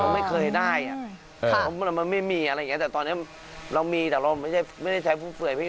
ไม่เคยได้อ่ะมันไม่มีอะไรอย่างเงี้แต่ตอนนี้เรามีแต่เราไม่ได้ใช้ฟุ่มเฟื่อยพี่